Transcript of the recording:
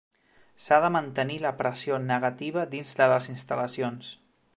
S’ha de mantenir la pressió negativa dins de les instal·lacions.